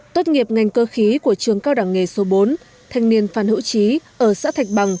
tốt nghiệp ngành cơ khí của trường cao đẳng nghề số bốn thanh niên phan hữu trí ở xã thạch bằng